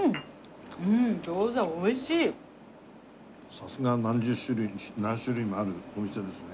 さすがは何十種類何種類もあるお店ですね。